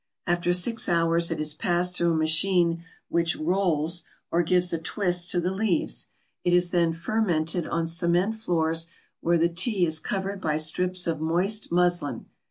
After six hours it is passed through a machine which "rolls" or gives a twist to the leaves. It is then "fermented" on cement floors, where the tea is covered by strips of moist muslin.